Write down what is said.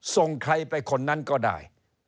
ส่งใครไปคนนั้นก็ได้